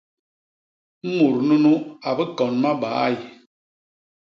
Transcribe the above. Mut nunu a bikon mabaay.